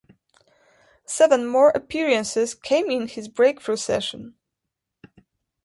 Seven more appearances came in his breakthrough season.